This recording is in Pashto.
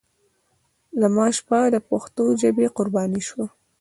زما شپه د پښتو ژبې قرباني شوه.